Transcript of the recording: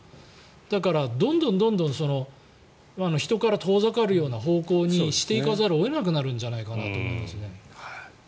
だから、どんどん人から遠ざかるような方向にしていかざるを得なくなるんじゃないかなと思いますね。